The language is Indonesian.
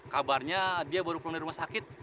kabarnya dia baru pulang dari rumah sakit